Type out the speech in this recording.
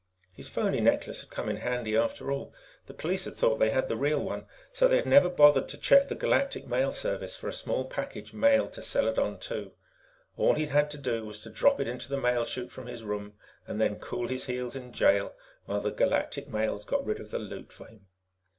His phony necklace had come in handy after all; the police had thought they had the real one, so they had never bothered to check the Galactic Mail Service for a small package mailed to Seladon II. All he'd had to do was drop it into the mail chute from his room and then cool his heels in jail while the Galactic Mails got rid of the loot for him.